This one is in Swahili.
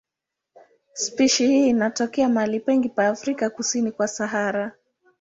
Spishi hii inatokea mahali pengi pa Afrika kusini kwa Sahara.